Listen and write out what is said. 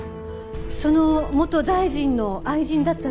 その元大臣の愛人だったっていうんですか？